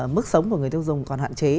mức sống của người tiêu dùng còn hạn chế